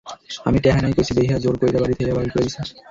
আমি টেহা নাই কইছি দেইহা জোর কইরা বাড়ি থেইকা বাইর কইরা দিছে।